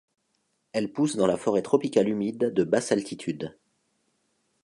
Elle pousse dans la forêt tropicale humide de basse altitude.